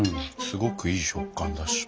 すごくいい食感だし。